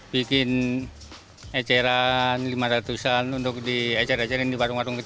bikin eceran lima ratus an untuk diecer eceran di patung patung